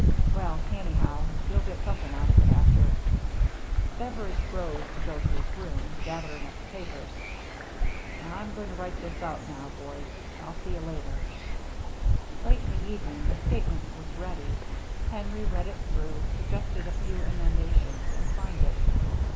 Well, anyhow, you'll get something out of it, after —" Beveridge rose to go to his room, gathering up the papers. " I'm going to write this out now, boys. I'll see you later." Late in the evening the statement was ready. Henry read it through, suggested a few emendations, and signed it.